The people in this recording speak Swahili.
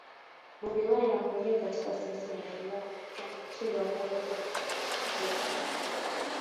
Bobi Wine na kuingia katika siasa Inaelekea umekuwa ni mtindo wa kawaida kwa wanamuziki